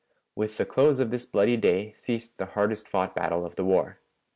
With the close of this bloody day ceased the hardest fought battle of the war."